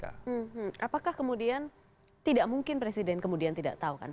apakah kemudian tidak mungkin presiden kemudian tidak tahu kan